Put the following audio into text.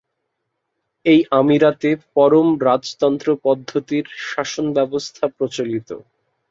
এই আমিরাতে পরম রাজতন্ত্র পদ্ধতির শাসন ব্যবস্থা প্রচলিত।